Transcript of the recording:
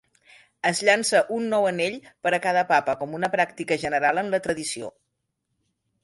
Es llança un nou anell per a cada Papa com una pràctica general en la tradició.